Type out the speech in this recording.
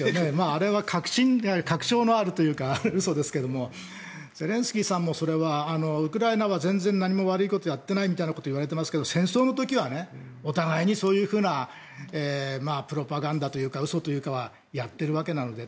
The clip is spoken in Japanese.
あれは確証のあるというか嘘ですけれどゼレンスキーさんもウクライナは全然悪いことはやってないと言われていますけど戦争の時はお互いにそういうふうなプロパガンダというか嘘というかはやっているわけなので。